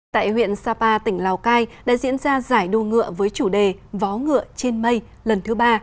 tại huyện sapa tỉnh lào cai đã diễn ra giải đua ngựa với chủ đề vó ngựa trên mây lần thứ ba